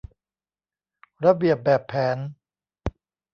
ระเบียบแบบแผน